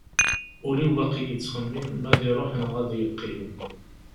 Ul-iw baqi yettxemmim ma ad iruḥ neɣ ad yeqqim.